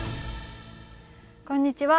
こんにちは。